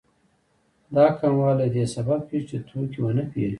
دا کموالی د دې سبب کېږي چې توکي ونه پېري